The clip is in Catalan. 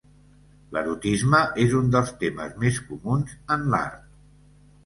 L'erotisme és un dels temes més comuns en l'art.